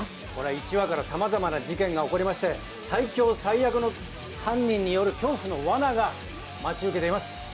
１話からさまざまな事件が起こって最凶最悪の犯人による恐怖の罠が待ち受けています。